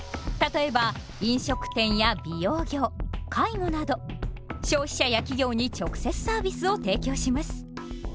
例えば飲食店や美容業介護など消費者や企業に直接サービスを提供します。